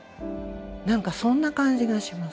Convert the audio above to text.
なんかそんな感じがします。